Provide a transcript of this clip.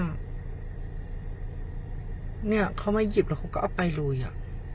เนี่ยเขามาหยิบแล้วเขาก็เอาไปลุยอ่ะ